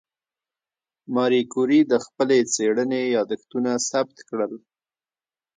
ماري کوري د خپلې څېړنې یادښتونه ثبت کړل.